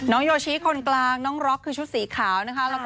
โยชิคนกลางน้องร็อกคือชุดสีขาวนะคะ